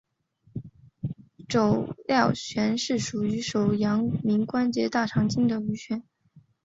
肘髎穴是属于手阳明大肠经的腧穴。